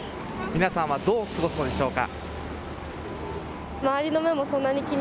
皆さんはどう過ごすのでしょうか。